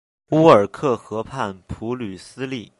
乌尔克河畔普吕斯利。